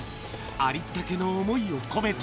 ありったけの想いを込めて。